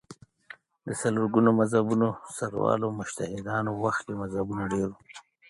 د څلور ګونو مذهبونو سروالو مجتهدانو وخت کې مذهبونه ډېر وو